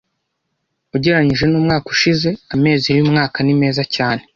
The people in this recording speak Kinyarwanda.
Ugereranije numwaka ushize, Amezi yuyu mwaka ni meza cyane.